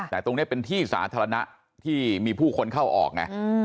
แต่ตรงนี้เป็นที่สาธารณะที่มีผู้คนเข้าออกไง